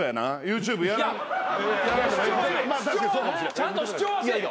ちゃんと主張はせえ。